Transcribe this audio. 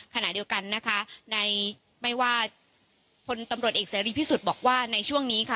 ขณะเดียวกันนะคะในไม่ว่าพลตำรวจเอกเสรีพิสุทธิ์บอกว่าในช่วงนี้ค่ะ